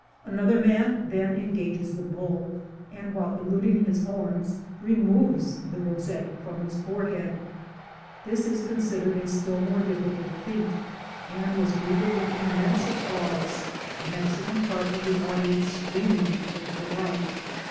Another man then engages the bull, and, while eluding his horns, removes the rosette from his forehead. This is considered a still more difficult feat, and was greeted with immense applause, the Mexican part of the audience screaming with delight.